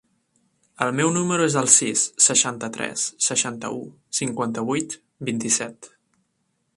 El meu número es el sis, seixanta-tres, seixanta-u, cinquanta-vuit, vint-i-set.